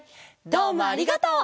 どうもありがとう！